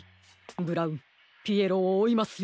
ブラウンピエロをおいますよ。